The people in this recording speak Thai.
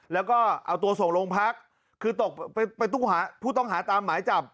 แล้วก็เอาตัวส่งโรงพักคือตกไปผู้ต้องหาตามหมายจับ